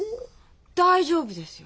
大丈夫ですよ。